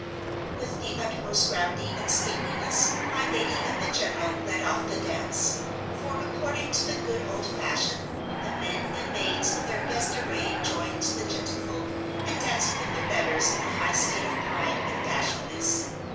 With the utmost gravity and stateliness my lady and the general led off the dance, for, according to the good old fashion, the men and maids in their best array joined the gentlefolk and danced with their betters in a high state of pride and bashfulness.